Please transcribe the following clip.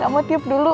gak mau tiup dulu